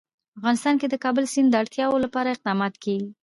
افغانستان کې د کابل سیند د اړتیاوو لپاره اقدامات کېږي.